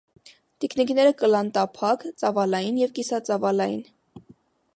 Տիկնիկները կ՛ըլլան տափակ, ծաւալային եւ կիսածաւալային։